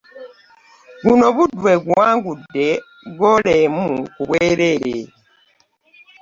Guno Buddu eguwangudde ggoolo emu ku bwereere